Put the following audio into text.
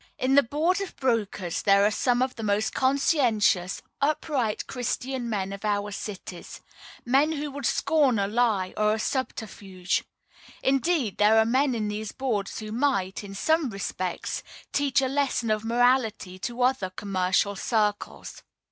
In the Board of Brokers there are some of the most conscientious, upright Christian men of our cities men who would scorn a lie, or a subterfuge. Indeed, there are men in these boards who might, in some respects, teach a lesson of morality to other commercial circles.